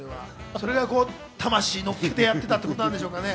それが魂をのっけてやってたってことなんでしょうかね。